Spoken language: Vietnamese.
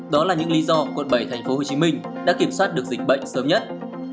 đó là những lý do quận bảy tp hcm đã kiểm soát được dịch bệnh sớm nhất